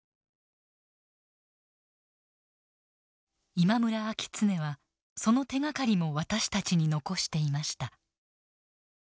今村明恒はその手がかりも私たちに残していました。